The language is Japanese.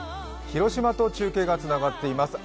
広島と中継がつながっています。